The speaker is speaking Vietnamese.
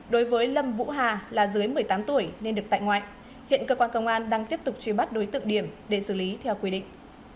đối với lâm vũ hà là dưới một mươi tám tuổi nên được tại ngoại hiện cơ quan công an đang tiếp tục truy bắt đối tượng điểm để xử lý theo quy định